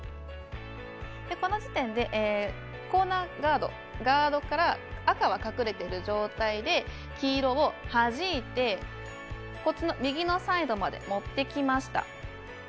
この時点でコーナーガード、ガードから赤は隠れている状態で黄色をはじいて右のサイドまで持ってきました。